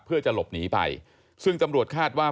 เพื่อจะหลบหนีไปซึ่งตำรวจคาดว่า